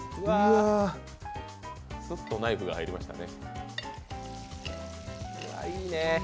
すっとナイフが入りましたね。